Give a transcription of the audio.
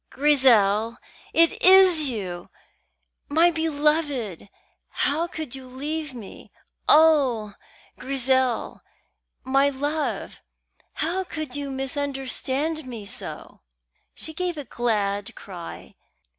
"Grizel! it is you! My beloved! how could you leave me! Oh, Grizel, my love, how could you misunderstand me so!" She gave a glad cry.